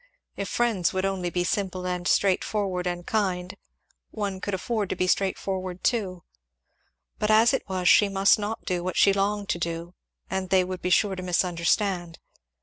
If friends would only be simple and straightforward and kind, one could afford to be straightforward too; but as it was she must not do what she longed to do and they would be sure to misunderstand.